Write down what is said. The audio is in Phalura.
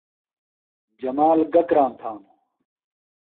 جمال گہ کرام تھانُوۡ؟